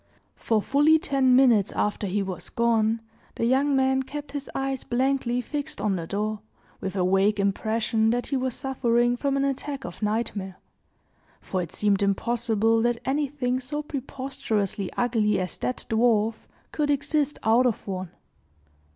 For fully ten minutes after he was gone, the young man kept his eyes blankly fixed on the door, with a vague impression that he was suffering from an attack of nightmare; for it seemed impossible that anything so preposterously ugly as that dwarf could exist out of one.